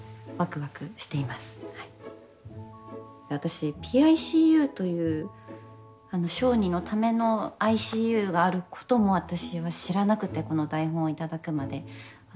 私ＰＩＣＵという小児のためのＩＣＵがあることも私は知らなくてこの台本をいただくまで。